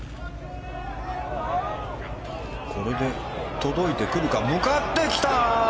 届いてくるか、向かってきた！